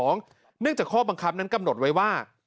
เนื่องจากข้อบังคับนั้นกำหนดไว้ว่า